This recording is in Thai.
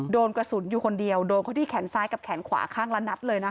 โดนกระสุนอยู่คนเดียวโดนเขาที่แขนซ้ายกับแขนขวาข้างละนัดเลยนะคะ